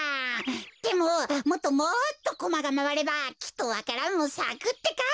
でももっともっとコマがまわればきっとわか蘭もさくってか！